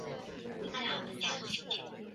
他是大分裂发生后第二位驻罗马的教宗。